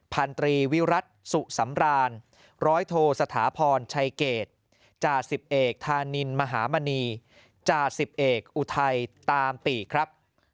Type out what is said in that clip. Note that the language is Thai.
พันตรีวิรัติสุสำรานร้อยโทสถาพรชัยเกตจ่าสิบเอกธานินมหามณีจ่าสิบเอกอุทัยตามปีกครับ